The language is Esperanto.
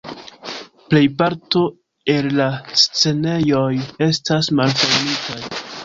Plejparto el la scenejoj estas malfermitaj.